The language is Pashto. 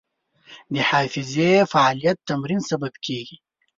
د حافظې فعالیت د تمرین سبب کېږي.